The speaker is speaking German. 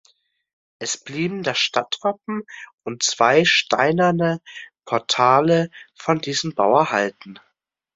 Es blieben das Stadtwappen und zwei steinerne Portale von diesem Bau erhalten.